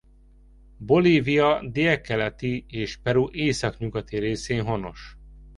Bolívia délkeleti és Peru északnyugati részén honos.